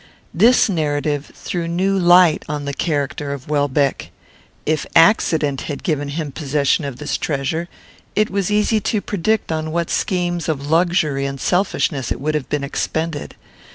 This narrative threw new light on the character of Welbeck. If accident had given him possession of this treasure, it was easy to predict on what schemes of luxury and selfishness it would have been expended.